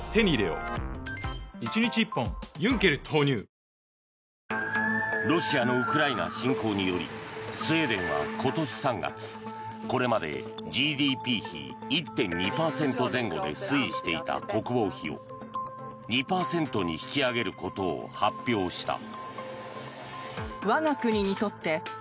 酒税などの税率引き上げによってロシアのウクライナ侵攻によりスウェーデンは今年３月これまでＧＤＰ比１．２％前後で推移していた国防費を２％に引き上げることを発表した。